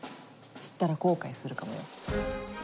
知ったら後悔するかもよ。